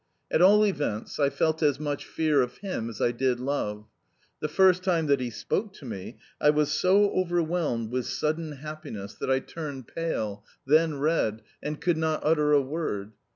At all events, I felt as much fear, of him as I did love. The first time that he spoke to me I was so overwhelmed with sudden happiness that I turned pale, then red, and could not utter a word.